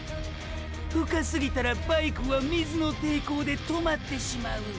深すぎたらバイクは水の抵抗で止まってしまう。